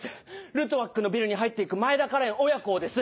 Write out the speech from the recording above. ルトワックのビルに入って行く前田花恋親子をです。